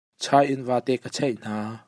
Chai in vate ka cheih hna.